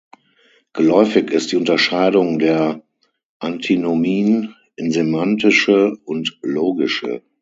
Geläufig ist die Unterscheidung der Antinomien in semantische und logische.